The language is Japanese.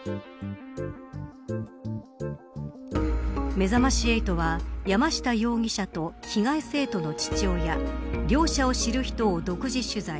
めざまし８は山下容疑者と被害生徒の父親両者を知る人を独自取材。